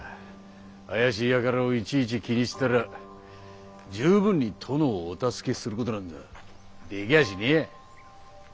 怪しい輩をいちいち気にしてたら十分に殿をお助けすることなんざできやしねぇや。